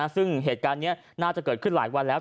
ซึ่งเหตุการณ์นี้น่าจะเกิดขึ้นหลายวันแล้ว